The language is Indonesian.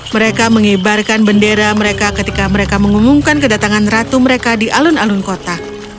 mereka mengibarkan bendera mereka ketika mereka mengumumkan kedatangan ratu mereka di alun alun kota